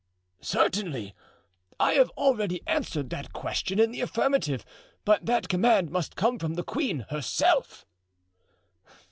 "Certainly. I have already answered that question in the affirmative; but that command must come from the queen herself."